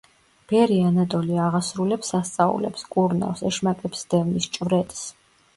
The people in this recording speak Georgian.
ბერი ანატოლი აღასრულებს სასწაულებს, კურნავს, ეშმაკებს სდევნის, ჭვრეტს.